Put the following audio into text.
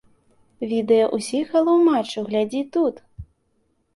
Відэа ўсіх галоў матчу глядзі тут!